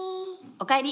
おかえり。